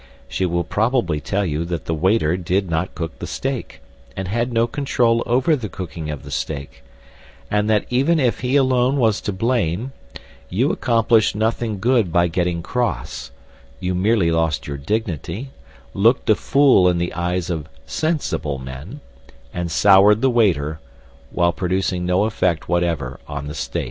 She will probably tell you that the waiter did not cook the steak, and had no control over the cooking of the steak; and that even if he alone was to blame, you accomplished nothing good by getting cross; you merely lost your dignity, looked a fool in the eyes of sensible men, and soured the waiter, while producing no effect whatever on the steak.